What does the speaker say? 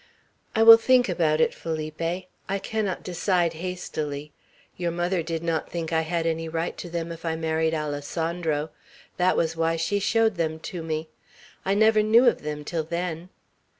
"I will think about it, Felipe. I cannot decide hastily. Your mother did not think I had any right to them, if I married Alessandro. That was why she showed them to me. I never knew of them till then.